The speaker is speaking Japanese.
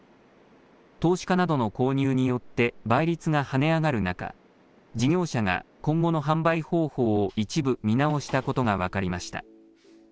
投資家などの購入によって倍率が跳ね上がる中、事業者が今後の販売方法を一部見直したことが分かりました。